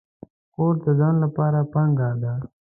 کورس د ځان لپاره پانګه ده.